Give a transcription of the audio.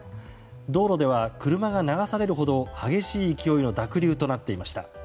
道路では車が流されるほど激しい勢いの濁流となっていました。